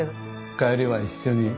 帰りは一緒に。